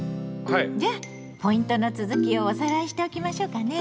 じゃあポイントの続きをおさらいしておきましょうかね。